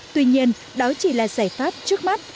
tuy nhiên đó chỉ là giải pháp trước mắt